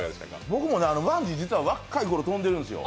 僕もバンジー、実は若い頃、飛んでるんですよ。